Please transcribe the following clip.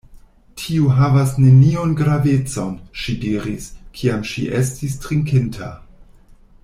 Tio havas neniun gravecon, ŝi diris, kiam ŝi estis trinkinta.